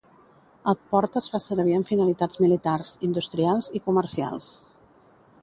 El port es fa servir amb finalitats militars, industrials i comercials.